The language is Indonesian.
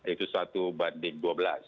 itu satu banding dua belas